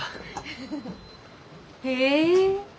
へえ。